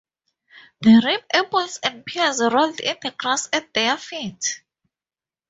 The ripe apples and pears rolled in the grass at their feet.